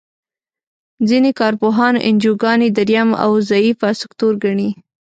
ځینې کار پوهان انجوګانې دریم او ضعیفه سکتور ګڼي.